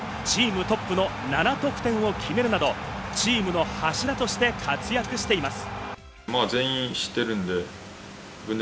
今シーズンはチームトップの７得点を決めるなどチームの柱として活躍しています。